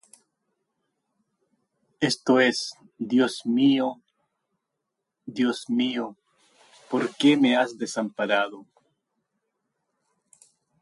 Esto es: Dios mío, Dios mío, ¿por qué me has desamparado?